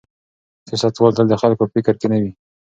سیاستوال تل د خلکو په فکر کې نه وي.